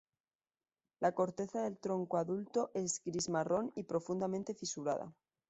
La corteza del tronco adulto es gris-marrón y profundamente fisurada.